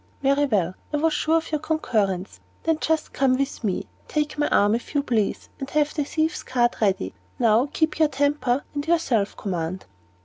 "Very well. I was sure of your concurrence. Then just come with me. Take my arm, if you please, and have the thief's card ready. Now keep your temper and your self command."